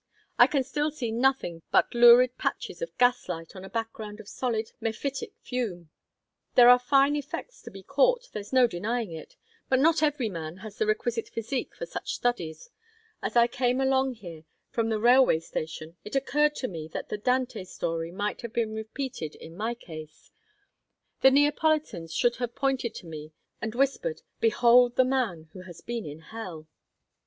"I can still see nothing but lurid patches of gaslight on a background of solid mephitic fume. There are fine effects to be caught, there's no denying it; but not every man has the requisite physique for such studies. As I came along here from the railway station, it occurred to me that the Dante story might have been repeated in my case; the Neapolitans should have pointed at me and whispered, 'Behold the man who has been in hell!'"